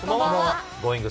Ｇｏｉｎｇ！